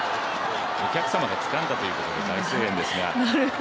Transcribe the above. お客様がつかんだということで大声援ですが。